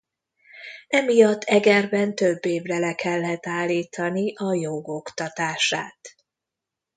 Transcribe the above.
Emiatt Egerben több évre le kellett állítani a jog oktatását.